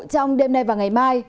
trong đêm nay và ngày mai